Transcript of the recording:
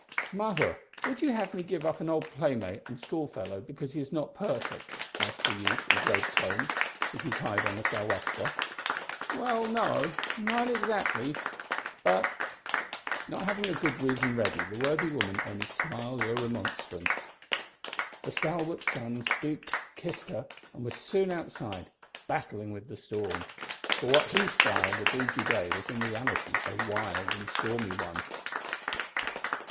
"Mother, would you have me give up an old playmate and school fellow because he is not perfect?" asked the youth in grave tones as he tied on a sou' wester. "Well, no not exactly, but " Not having a good reason ready, the worthy woman only smiled a remonstrance. The stalwart son stooped, kissed her and was soon outside, battling with the storm for what he styled a breezy day was in reality a wild and stormy one.